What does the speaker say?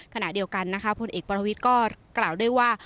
ขณะเดียวกันนะคะพลเอกประวิทย์ก็กล่าวด้วยว่า